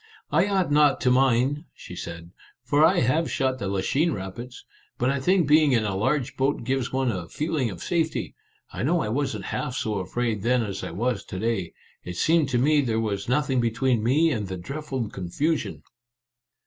" I ought not to mind," she said, " for I have shot the Lachine Rapids. But I think being in a large boat gives one a feeling of safety. I know I wasn't half so afraid then as I was to day. It seemed to me there was nothing between me and the dreadful con fusion."